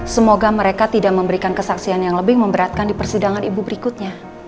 semoga mereka tidak memberikan kesaksian yang lebih memberatkan di persidangan ibu berikutnya